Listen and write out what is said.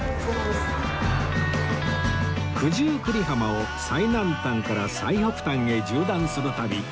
九十九里浜を最南端から最北端へ縦断する旅